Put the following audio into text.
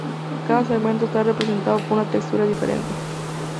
Cada segmento está representado por una textura diferente.